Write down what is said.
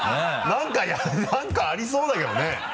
何かありそうだけどね。